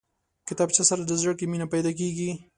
کتابچه سره د زده کړې مینه پیدا کېږي